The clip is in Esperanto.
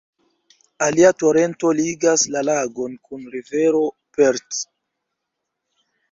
Alia torento ligas la lagon kun rivero Perth.